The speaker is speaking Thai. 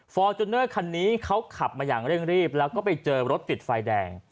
ฟอร์จูเนอร์คันนี้เขาขับมาอย่างเร่งรีบแล้วก็ไปเจอรถติดไฟแดง